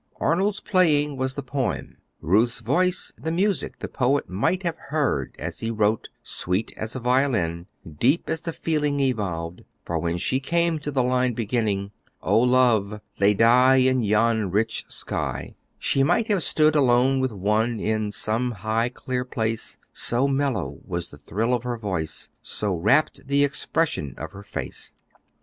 Arnold's playing was the poem, Ruth's voice the music the poet might have heard as he wrote, sweet as a violin, deep as the feeling evolved, for when she came to the line beginning, "oh, love, they die in yon rich sky," she might have stood alone with one, in some high, clear place, so mellow was the thrill of her voice, so rapt the expression of her face.